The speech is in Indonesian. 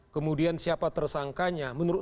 kemudian siapa tersangkanya menurut